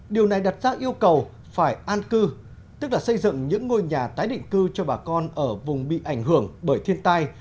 điều này đặt ra yêu cầu phải an cư tức là xây dựng những ngôi nhà tái định cư cho bà con ở vùng bị ảnh hưởng bởi thiên tai